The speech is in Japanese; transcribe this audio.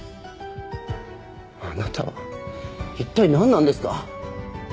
あなたは一体何なんですか